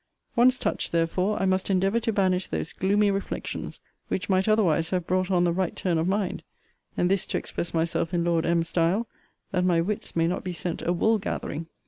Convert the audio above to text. Once touched, therefore, I must endeavour to banish those gloomy reflections, which might otherwise have brought on the right turn of mind: and this, to express myself in Lord M.'s style, that my wits may not be sent a wool gathering.